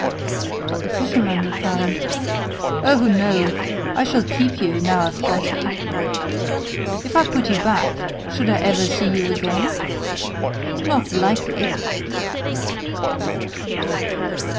But the Fisherman replied, "Oh, no, I shall keep you now I've got you: if I put you back, should I ever see you again? Not likely!"